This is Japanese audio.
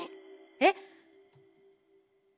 えっ。